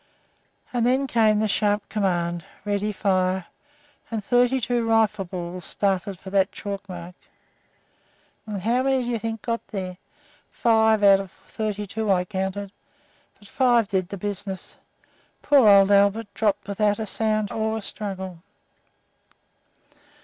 and then came the sharp command, 'Ready, fire!' and thirty two rifle balls started for that chalk mark. And how many do you think got there? Five out of thirty two; I counted 'em, but five did the business. Poor old Albert dropped without a sound or a struggle."